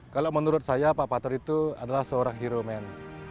kalau menurut saya pak patut itu adalah seorang hero man